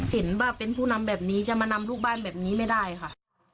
เห็นว่าเป็นผู้นำแบบนี้จะมานำลูกบ้านแบบนี้ไม่ได้ค่ะ